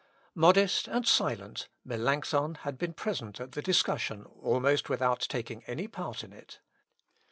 Modest and silent, Melancthon had been present at the discussion almost without taking any part in it.